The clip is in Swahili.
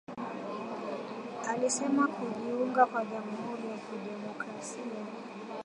Alisema kujiunga kwa Jamuhuri ya Kidemokrasia ya Kongo kama mwanachama wa Jumuiya ya Afrika Mashariki kutaimarisha uchumi wa kikanda